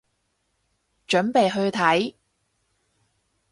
準備去睇